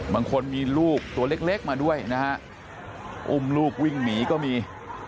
บางคนมีลูกตัวเล็กมาด้วยนะฮะอุ้มลูกวิ่งหนีก็มี